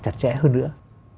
chặt chẽ hơn nữa